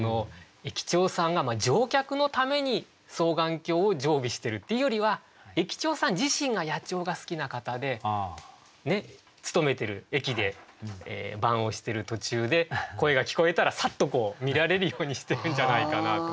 駅長さんが乗客のために双眼鏡を常備してるっていうよりは駅長さん自身が野鳥が好きな方で勤めてる駅で番をしてる途中で声が聞こえたらサッと見られるようにしてるんじゃないかなと。